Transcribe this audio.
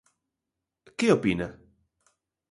Que opina?